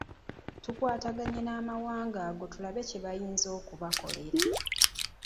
Tukwataganye n’amawanga ago tulabe kye bayinza okubakolera.